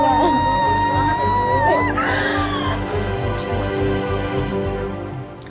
m alguma tuh nya